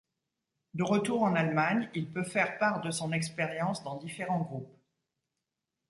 De retour en Allemagne, il peut faire part de son expérience dans différents groupes.